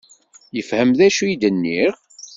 Yefhem d acu i d-nniɣ?